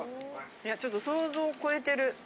いやちょっと想像を超えてる。